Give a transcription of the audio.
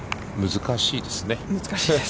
難しいです。